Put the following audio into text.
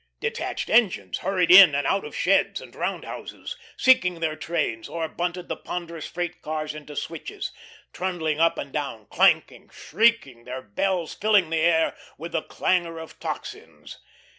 Detached engines hurried in and out of sheds and roundhouses, seeking their trains, or bunted the ponderous freight cars into switches; trundling up and down, clanking, shrieking, their bells filling the air with the clangour of tocsins.